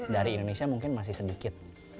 dari indonesia mungkin masih sedikit